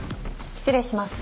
失礼します。